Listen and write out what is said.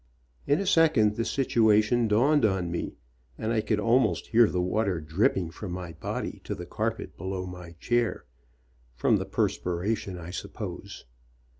In a second the situation dawned on me, and I could al most hear the water dripping from my body to the carpet below my chair, from the perspiration, I sup pose.